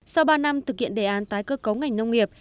sau ba năm thực hiện đề án tái cơ cấu ngành nông nghiệp